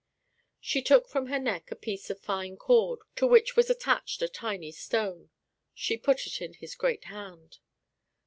She took from her neck a piece of fine cord, to which was attached a tiny stone. She put it in his great hand.